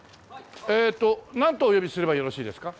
えーっとなんとお呼びすればよろしいですか？